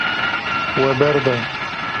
We berda.